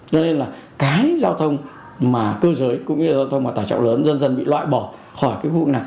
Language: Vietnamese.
cho nên là cái giao thông mà cơ giới cũng như là giao thông và tài trọng lớn dần dần bị loại bỏ khỏi cái vụ này